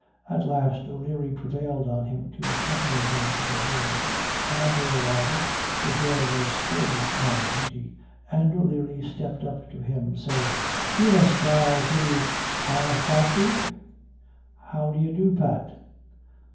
At last, O'Leary prevailed on him to accompany him to the room. On their arrival, the bear was still on duty, and O'Leary stepped up to him, says: 'Cianos tha'n thu, a Phadhrig?' (How d'ye do, Pat?)